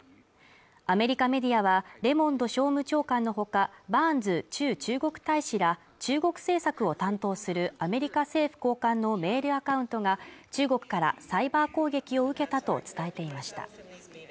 アメリカメディアはレモンド商務長官のほかバーンズ駐中国大使ら中国政策を担当するアメリカ政府高官のメールアカウントが中国からサイバー攻撃を受けたと伝えていました